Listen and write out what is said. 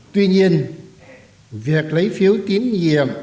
tuy nhiên việc lấy phiếu tín nhiệm